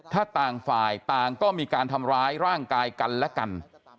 ถ้าต่างฝ่ายต่างก็มีการทำร้ายร่างกายกันและกัน